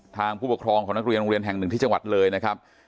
ผู้ปกครองของนักเรียนโรงเรียนแห่งหนึ่งที่จังหวัดเลยนะครับ